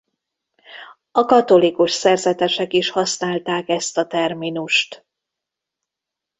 A katolikus szerzetesek is használták ezt a terminust.